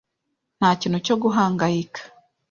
Nta kintu cyo guhangayika.